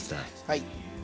はい。